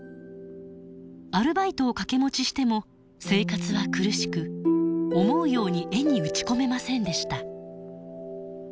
アルバイトを掛け持ちしても生活は苦しく思うように絵に打ち込めませんでした。